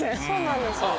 そうなんです。